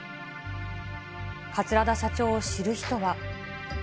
桂田社長を知る人は。